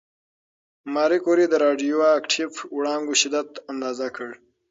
ماري کوري د راډیواکټیف وړانګو شدت اندازه کړ.